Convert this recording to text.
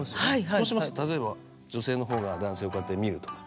そうしますと、例えば女性の方が男性を、こうやって見るとか。